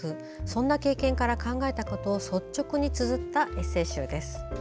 そんな経験から考えたことを率直につづったエッセー集です。